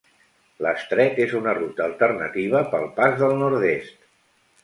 L'estret és una ruta alternativa pel Pas del Nord-oest.